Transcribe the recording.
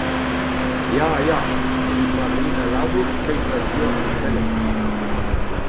Ya, ya, evit ma rin al labour e-keit ma viot o sellout.